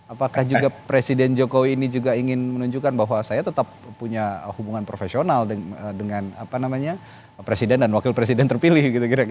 apakah juga presiden jokowi ini juga ingin menunjukkan bahwa saya tetap punya hubungan profesional dengan presiden dan wakil presiden terpilih